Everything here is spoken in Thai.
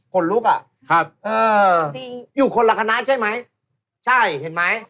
ขนลุกน่ะครับเอออยู่คนหลักคณะใช่ไหมใช่เห็นไหม